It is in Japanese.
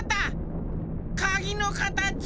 かぎのかたちは。